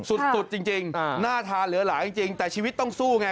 สุดจริงน่าทานเหลือหลายจริงแต่ชีวิตต้องสู้ไง